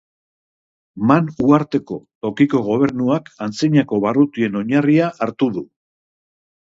Man uharteko tokiko gobernuak antzinako barrutien oinarria hartu du.